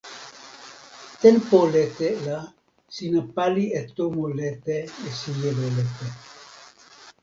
tenpo lete la sina pali e tomo lete e sijelo lete.